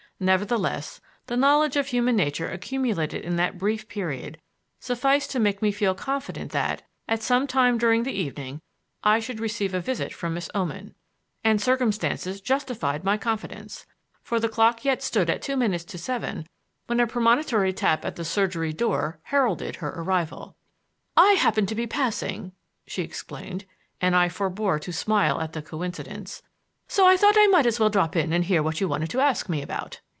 Nevertheless, the knowledge of human nature accumulated in that brief period sufficed to make me feel confident that, at some time during the evening, I should receive a visit from Miss Oman. And circumstances justified my confidence; for the clock yet stood at two minutes to seven when a premonitory tap at the surgery door heralded her arrival. "I happened to be passing," she explained, and I forbore to smile at the coincidence, "so I thought I might as well drop in and hear what you wanted to ask me about."